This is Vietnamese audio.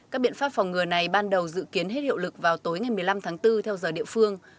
các biện pháp phòng ngừa này ban đầu dự kiến hết hiệu lực vào tối ngày một mươi năm tháng bốn theo giờ địa phương